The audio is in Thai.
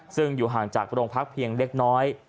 ซึ่งอยู่ห่างจากโรงพักเพียงเล็กน้อย